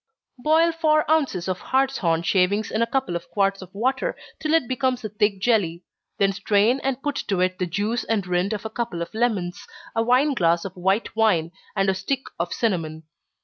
_ Boil four ounces of hartshorn shavings in a couple of quarts of water, till it becomes a thick jelly then strain and put to it the juice and rind of a couple of lemons, a wine glass of white wine, and a stick of cinnamon.